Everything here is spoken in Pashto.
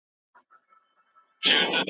لیکل تر اورېدلو د تورو په پېژندلو کي اساسي دي.